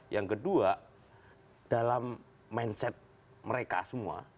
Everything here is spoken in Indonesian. yang kedua dalam mindset mereka semua